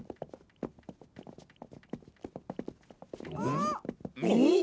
あっ！